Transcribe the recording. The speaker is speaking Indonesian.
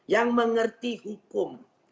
yang mengerti hukum